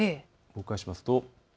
動かしますと。